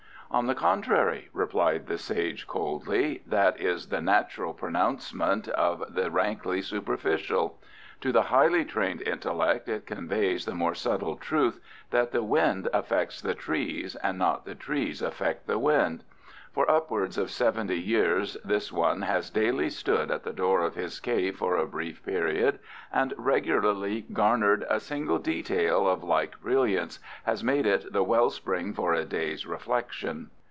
"On the contrary," replied the sage coldly, "that is the natural pronouncement of the rankly superficial. To the highly trained intellect it conveys the more subtle truth that the wind affects the trees, and not the trees affect the wind. For upwards of seventy years this one has daily stood at the door of his cave for a brief period, and regularly garnering a single detail of like brilliance, has made it the well spring for a day's reflection.